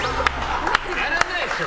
やらないでしょ！